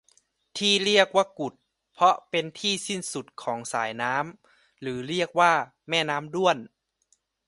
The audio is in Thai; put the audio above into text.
ที่เรียกว่ากุดเพราะเป็นที่สิ้นสุดของสายน้ำหรือเรียกว่าแม่น้ำด้วน